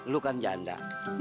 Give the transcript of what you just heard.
lu kan janda